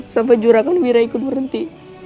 sampai jurangan wira ikut berhenti